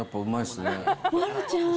丸ちゃん。